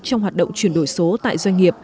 trong hoạt động chuyển đổi số tại doanh nghiệp